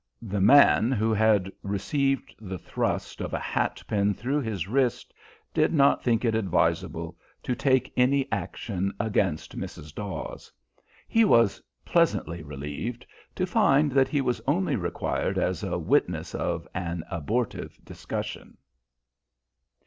The man who had received the thrust of a hatpin through his wrist did not think it advisable to take any action against Mrs. Dawes. He was pleasantly relieved to find that he was only required as a witness of an abortive discussion.